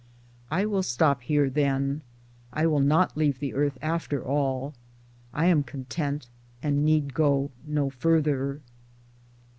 I will stop here then. I will not leave the earth after all. I am content and need go no farther.